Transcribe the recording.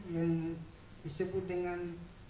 yang disebut dengan